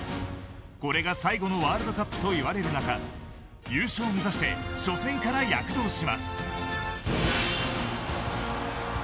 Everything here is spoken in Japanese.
これが最後のワールドカップといわれる中優勝を目指して初戦から躍動します。